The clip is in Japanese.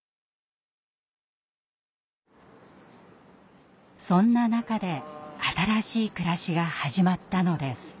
そんな中で新しい暮らしが始まったのです。